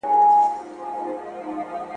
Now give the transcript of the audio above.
«هت شپ» ملکه د لومړي« ست شاه تهت موس» لور وه